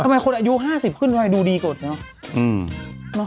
ทำไมคนอายุ๕๐ขึ้นด้วยดูดีกว่าเนอะ